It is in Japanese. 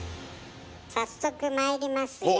早速まいりますよ。